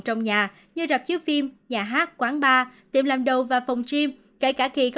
trong nhà như rạp chiếc phim nhà hát quán bar tiệm làm đầu và phòng gym